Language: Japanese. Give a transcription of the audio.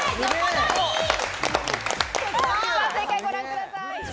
正解、ご覧ください。